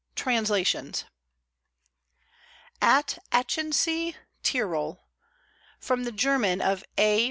TRANSLATIONS AT ACHENSEE, TIROL (From the German of A.